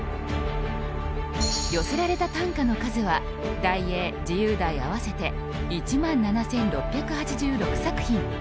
寄せられた短歌の数は題詠・自由題合わせて１万７，６８６作品。